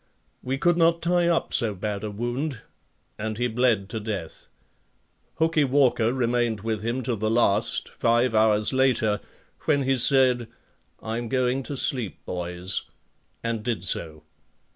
We could not tie up so bad a wound and he bled to death. Hookie Walker remained with him to the last, five hours later, when he said: "I'm going to sleep boys," and did so.